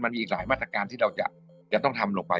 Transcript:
มีอีกหลายมาตรการที่เราจะต้องทำลงไป